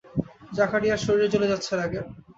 জাকারিয়ার শরীর জ্বলে যাচ্ছে রাগে।